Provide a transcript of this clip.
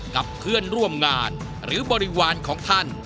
กับเพื่อนร่วมงานหรือบริวารของท่าน